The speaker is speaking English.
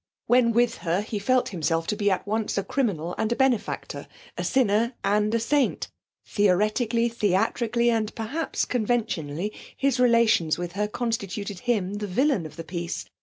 When with her he felt himself to be at once a criminal and a benefactor, a sinner and a saint. Theoretically, theatrically, and perhaps conventionally, his relations with her constituted him the villain of the piece.